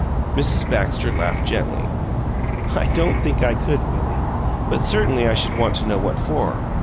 Mrs. Baxter laughed gently. "I don't think I could, Willie, but certainly I should want to know what for."